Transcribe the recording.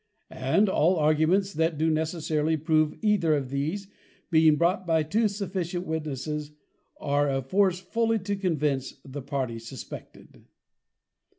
And, +all Arguments that do necessarily prove either of these+, being brought by two sufficient Witnesses, are of force fully to convince the party suspected.